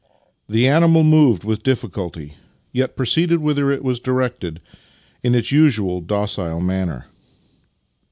The animal moved with difficulty, yet proceeded whither it was directed in its usual docile manner.